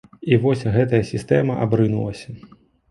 І вось, гэтая сістэма абрынулася.